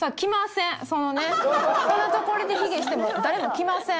こんなところで卑下しても誰も来ません。